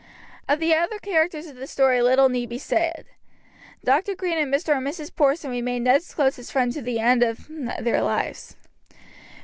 Of the other characters of this story little need be said. Dr. Green and Mr. and Mrs. Porson remained Ned's closest friends to the end of their lives.